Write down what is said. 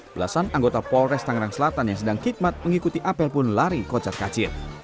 belasan anggota polres tangerang selatan yang sedang hikmat mengikuti apel pun lari kocat kacir